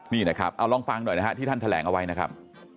นี่นะครับเอาลองฟังหน่อยนะฮะที่ท่านแถลงเอาไว้นะครับ